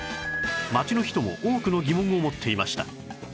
街の人も多くの疑問を持っていました